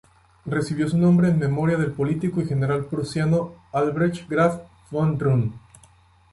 Recibió su nombre en memoria del político y general prusiano Albrecht Graf von Roon.